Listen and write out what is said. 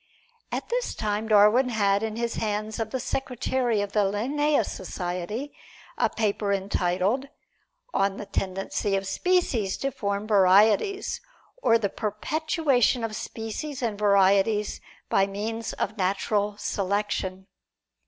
At this time Darwin had in the hands of the secretary of the Linnæus Society a paper entitled, "On the Tendency of Species to Form Varieties, or the Perpetuation of Species and Varieties by Means of Natural Selection."